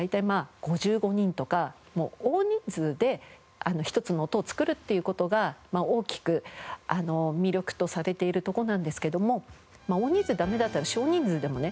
大体５５人とかもう大人数で一つの音を作るっていう事が大きく魅力とされているところなんですけども大人数ダメだったら少人数でもね。